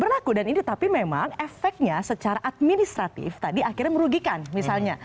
berlaku dan ini tapi memang efeknya secara administratif tadi akhirnya merugikan misalnya